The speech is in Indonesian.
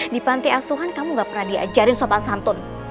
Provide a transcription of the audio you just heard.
di panti asuhan kamu gak pernah diajarin sopan santun